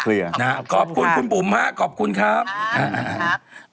โอเคพอตายเคลียร์นะครับขอบคุณคุณบุ๋มมากขอบคุณครับขอบคุณครับ